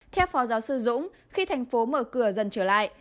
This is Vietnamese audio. theo phó giáo sư dũng khi thành phố mở cửa dần trở lại